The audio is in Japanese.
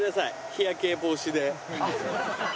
日焼け防止で。